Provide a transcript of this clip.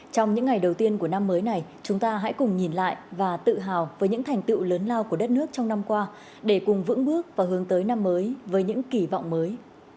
trong những ngày đầu tiên của năm mới này chúng ta hãy cùng nhìn lại và tự hào với những thành tựu lớn lao của đất nước trong năm qua để cùng vững bước và hướng tới năm mới với những kỳ vọng mới